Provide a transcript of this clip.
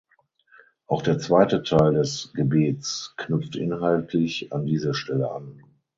Auch der zweite Teil des Gebets knüpft inhaltlich an diese Stelle an.